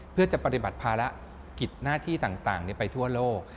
เพื่อจะปฏิบัติภารกิจหน้าที่ต่างไปทั่วโลก